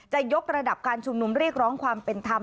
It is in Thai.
จะยกระดับการชุมนุมเรียกร้องความเป็นธรรม